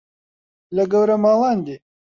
لە گەورە ماڵان دێ